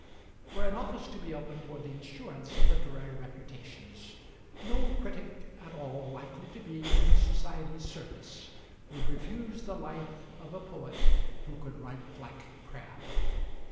Were an office to be opened for the insurance of literary reputations, no critic at all likely to be in the society's service would refuse the life of a poet who could write like Crabbe.